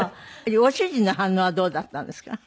ご主人の反応はどうだったんですか？